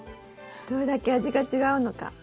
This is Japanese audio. どれだけ味が違うのか。